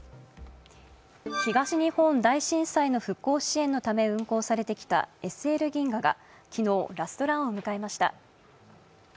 東日本大震災の復興支援のため運行されてきたＳＬ銀河が昨日、ラストランを迎えました。